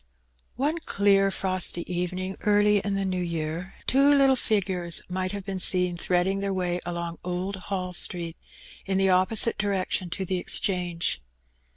One clear frosty evening early in the new year, two little figures might have been seen threading their way along Old Hall Street, in the opposite direction to the Exchange.